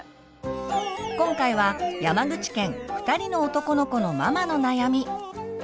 今回は山口県２人の男の子のママの悩み。